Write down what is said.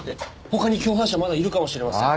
他に共犯者まだいるかもしれません。